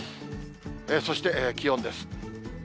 そして気温です。